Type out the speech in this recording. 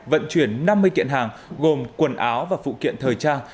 vận chuyển năm mươi kiện hàng gồm quần áo và phụ kiện thời trang